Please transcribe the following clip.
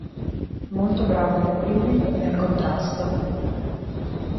Molto bravo nel dribbling e nel contrasto.